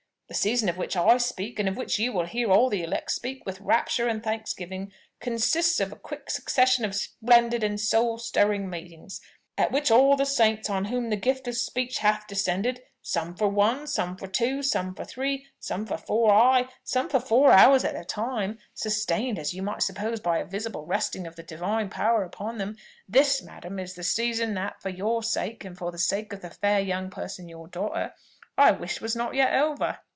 The season of which I speak, and of which you will hear all the elect speak with rapture and thanksgiving, consists of a quick succession of splendid and soul stirring meetings, at which all the saints on whom the gift of speech hath descended, some for one, some for two, some for three, some for four ay, some for five hours at a time, sustained, as you may suppose, by a visible resting of the Divine power upon them. This, madam, is the season that, for your sake, and for the sake of the fair young person your daughter, I wished was not yet over."